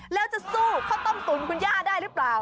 แล้วจะสู้ข้าวต้มตุ๋นคุณย่าได้หรือเปล่า